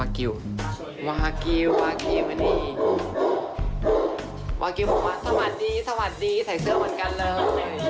กิวบอกว่าสวัสดีสวัสดีใส่เสื้อเหมือนกันเลย